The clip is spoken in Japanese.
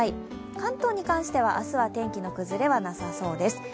関東に関しては明日は天気の崩れはなさそうです。